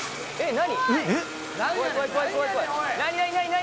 何？